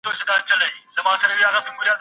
لور ته داسي لارښووني مه کوئ، چي هغه وپاريږي.